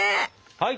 はい。